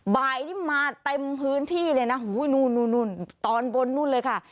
บ่ายนี่มาเต็มพื้นที่เลยนะนู่นนู่นตอนบนนู่นเลยค่ะ